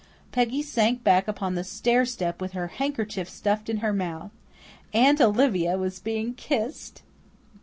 Peggy sank back upon the stair step with her handkerchief stuffed in her mouth. Aunt Olivia was being kissed!